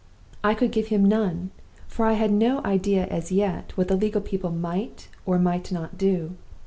I could give him none, for I had no idea as yet of what the legal people might or might not do.